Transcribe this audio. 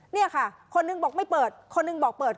เนี่ยค่ะคนหนึ่งบอกไม่เปิดคนหนึ่งบอกเปิด